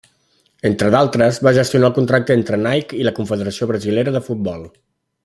Entre d'altres, va gestionar el contracte entre Nike i la Confederació Brasilera de Futbol.